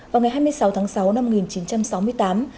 vào ngày hai mươi sáu tháng sáu năm một nghìn chín trăm sáu mươi tám